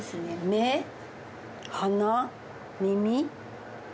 目鼻耳舌。